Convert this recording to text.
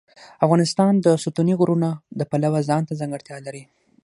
افغانستان د ستوني غرونه د پلوه ځانته ځانګړتیا لري.